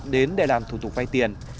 đến để làm thủ tục vay tiền